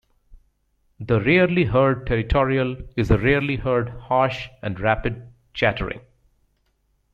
The rarely heard territorial is a rarely heard harsh and rapid chattering.